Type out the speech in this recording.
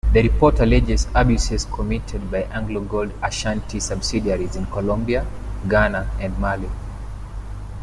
The report alleges abuses committed by AngloGold Ashanti subsidiaries in Colombia, Ghana and Mali.